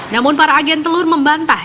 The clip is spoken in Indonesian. namun para agen telur membantah